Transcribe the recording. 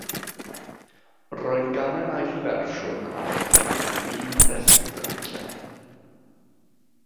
Roedd gan y naill fersiwn a'r llall yr un rhestr draciau.